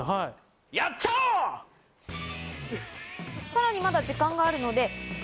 さらにまだ時間があるので。